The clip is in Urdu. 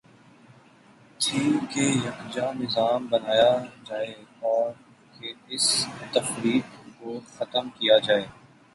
تھی کہ یکجا نظا م بنایا جائے اور اس تفریق کو ختم کیا جائے۔